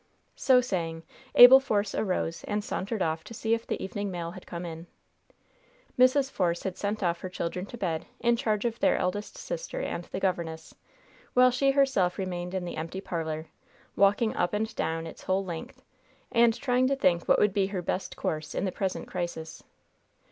So saying, Abel Force arose and sauntered off to see if the evening mail had come in. Mrs. Force had sent off her children to bed, in charge of their eldest sister and the governess, while she herself remained in the empty parlor, walking up and down its whole length, and trying to think what would be her best course in the present crisis.